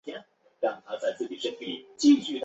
萨尔内总统镇是巴西马拉尼昂州的一个市镇。